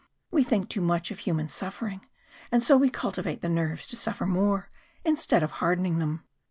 We think too much of human suffering, and so we cultivate the nerves to suffer more, instead of hardening them.